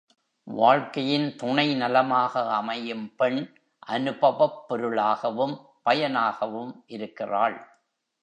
வாழ்க்கையின் துணை நலமாக அமையும் பெண், அனுபவப் பொருளாகவும் பயனாகவும் இருக்கிறாள்.